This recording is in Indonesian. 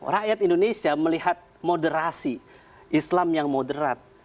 rakyat indonesia melihat moderasi islam yang moderat